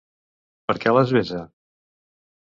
Per què les besa?